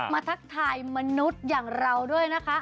ทักทายมนุษย์อย่างเราด้วยนะคะ